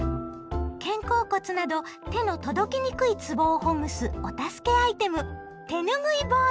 肩甲骨など手の届きにくいつぼをほぐすお助けアイテム手ぬぐいボール！